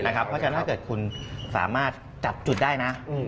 เพราะฉะนั้นถ้าเกิดคุณสามารถจับจุดได้นะ